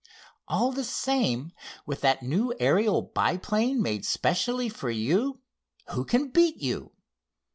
All the same, with that new Ariel, biplane, made specially for you, who can beat you?